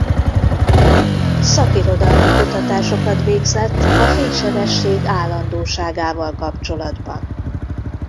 Szakirodalmi kutatásokat végzett a fénysebesség állandóságával kapcsolatban.